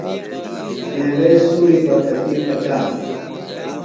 میوے سُوری برکتی پچانہ۔